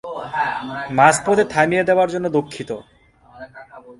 মাঝপথে থামিয়ে দেবার জন্য দুঃখিত।